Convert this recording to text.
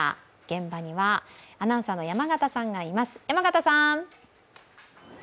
現場にはアナウンサーの山形さんかいます。